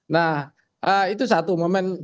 nah itu satu momen